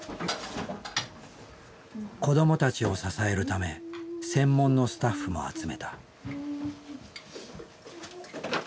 子どもたちを支えるため専門のスタッフも集めた。